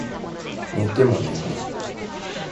寝ても眠い